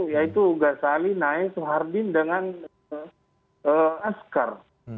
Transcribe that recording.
yaitu ghazali naik suhardin dengan askar